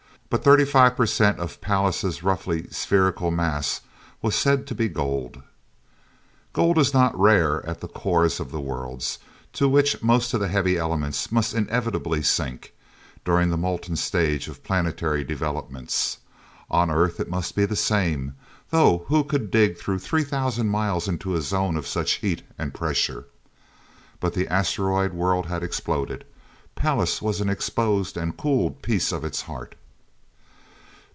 But thirty five percent of Pallas' roughly spherical mass was said to be gold. Gold is not rare at the cores of the worlds, to which most of the heavy elements must inevitably sink, during the molten stage of planetary developments. On Earth it must be the same, though who could dig three thousand miles into a zone of such heat and pressure? But the asteroid world had exploded. Pallas was an exposed and cooled piece of its heart.